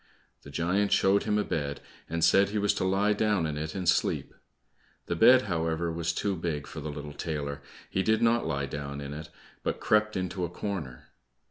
The giant showed him a bed, and said he was to lie down in it and sleep. The bed, however, was too big for the little tailor; he did not lie down in it, but crept into a corner.